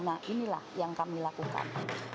nah inilah yang kami lakukan